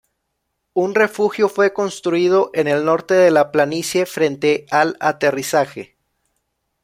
Un refugio fue construido en el norte de la planicie frente al aterrizaje.